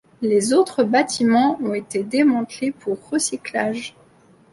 Les autres bâtiments ont été démantelés pour recyclage.